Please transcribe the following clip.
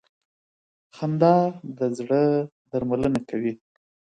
خندا د زړه درملنه کوي.